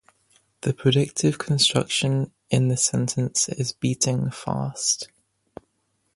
The predicative construction in this sentence is "beating fast".